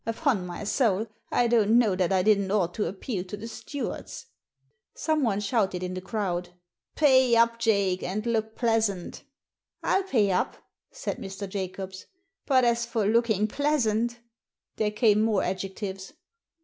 Upon my soul, I don't know that I didn't ought to appeal to the stewards." Someone shouted in the crowd —" Pay up, Jake, and look pleasant !"" I'll pay up," said Mr. Jacobs ;" but as for looking pleasant There came more adjectives.